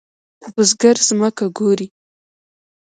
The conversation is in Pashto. بزګر زمکه کوري.